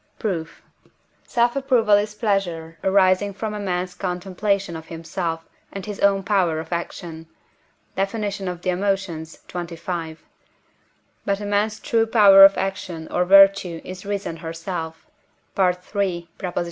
Proof. Self approval is pleasure arising from a man's contemplation of himself and his own power of action (Def. of the Emotions, xxv.). But a man's true power of action or virtue is reason herself (III. iii.)